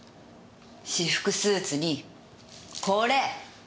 私服スーツにこれ。